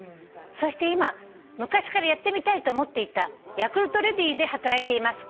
「そして今昔からやってみたいと思っていたヤクルトレディで働いています」